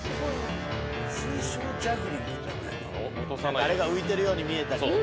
あれが浮いてるように見えたり。